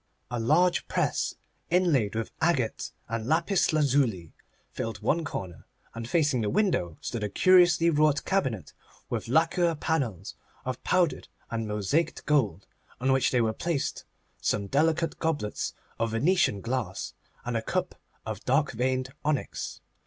A large press, inlaid with agate and lapis lazuli, filled one corner, and facing the window stood a curiously wrought cabinet with lacquer panels of powdered and mosaiced gold, on which were placed some delicate goblets of Venetian glass, and a cup of dark veined onyx.